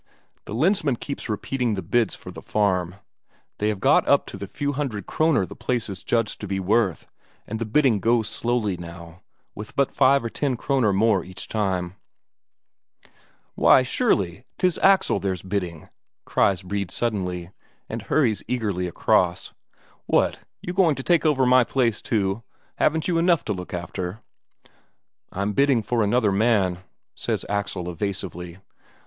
The Lensmand keeps repeating the bids for the farm; they have got up to the few hundred Kroner the place is judged to be worth, and the bidding goes slowly, now, with but five or ten Kroner more each time. "Why, surely 'tis Axel there's bidding," cries Brede suddenly, and hurries eagerly across. "What, you going to take over my place too? Haven't you enough to look after?" "I'm bidding for another man," says Axel evasively.